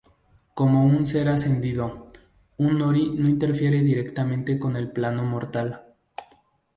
Como un ser Ascendido, un Ori no interfiere directamente con el plano mortal.